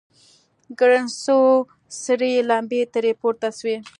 ګړز سو سرې لمبې ترې پورته سوې.